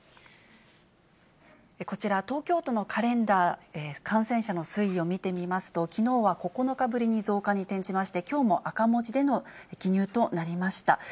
こちら東京都のカレンダー、感染者の推移を見てみますと、きのうは９日ぶりに増加に転じまして、きょうも赤文字での記入となりました。